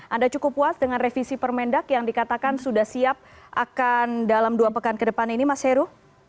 anda cukup puas dengan revisi permendak yang dikatakan sudah siap akan dalam dua pekan ke depan ini mas heru